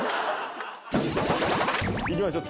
行きましょう。